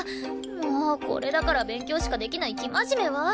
もうこれだから勉強しかできない生真面目は。